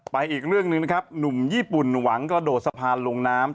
อีกเรื่องหนึ่งนะครับหนุ่มญี่ปุ่นหวังกระโดดสะพานลงน้ำ